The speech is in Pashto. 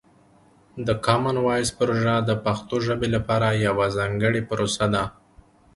د کامن وایس پروژه د پښتو ژبې لپاره یوه ځانګړې پروسه ده.